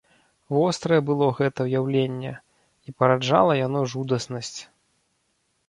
Вострае было гэтае ўяўленне, і параджала яно жудаснасць.